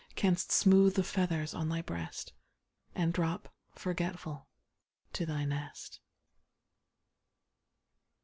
Canst smooth the feathers on thy breast, And drop, forgetful, to thy nest.